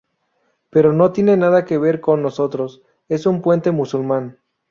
Pero no tiene nada que ver con nosotros, es un puente musulmán"".